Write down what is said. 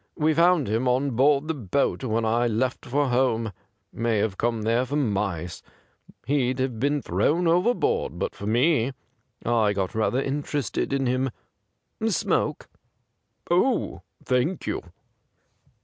We found him on board the boat when I left for home — may have come there after mice. He'd have been thrown overboard but for me. I got rather interested in him. Smoke .'''' Oh, thank you.'